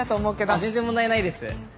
あっ全然問題ないです。